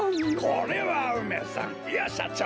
これは梅さんいやしゃちょう！